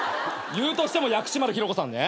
言うとしても薬師丸ひろ子さんね。